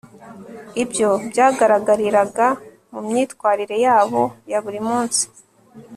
ibyo byagaragariraga mu myitwarire yabo ya buri munsi